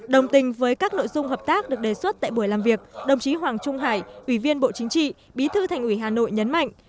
đồng tình với các nội dung hợp tác được đề xuất tại buổi làm việc đồng chí hoàng trung hải ủy viên bộ chính trị bí thư thành ủy hà nội nhấn mạnh